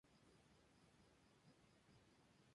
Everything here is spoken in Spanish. Se alimenta de insectos, semillas, bayas, que recoge del suelo.